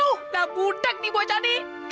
udah budek nih bocah nih